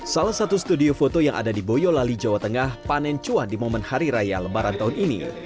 salah satu studio foto yang ada di boyolali jawa tengah panen cuan di momen hari raya lebaran tahun ini